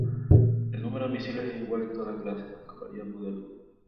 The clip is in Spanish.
El número de misiles es igual en toda la clase aunque varía el modelo.